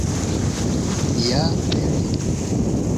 Ja vere!